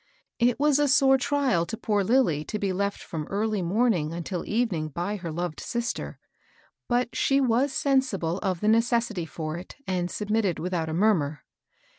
It was a sore trial to poor Lilly to be left from early morning until evening by her loved sister; but she was sensible of the necessity for it, and submitted without a murmur.